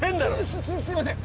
すすすいません